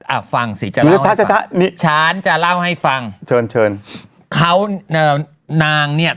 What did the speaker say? อ่าฟังสิจะเล่าให้ฟังช้านี่ฉันจะเล่าให้ฟังเชิญเขานางเนี่ย